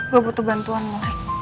gue butuh bantuan mo